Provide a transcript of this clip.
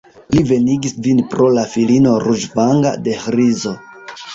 Li venigis vin pro la filino ruĝvanga de Ĥrizo.